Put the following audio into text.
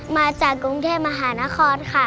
มาจากกรุงเทพมหานครค่ะ